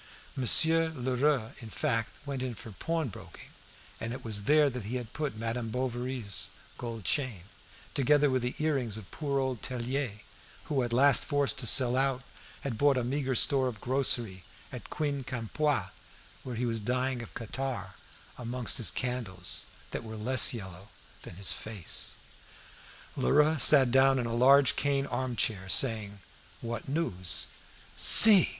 Monsieur Lheureux, in fact, went in for pawnbroking, and it was there that he had put Madame Bovary's gold chain, together with the earrings of poor old Tellier, who, at last forced to sell out, had bought a meagre store of grocery at Quincampoix, where he was dying of catarrh amongst his candles, that were less yellow than his face. Lheureux sat down in a large cane arm chair, saying: "What news?" "See!"